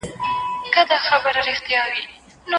شیطانان ډیر دي